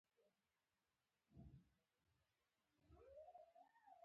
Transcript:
بیا به هم ځینې شیان پاتې وي.